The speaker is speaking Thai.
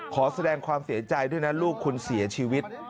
ขอแสดงความเสียใจด้วยนะลูกคุณเสียชีวิต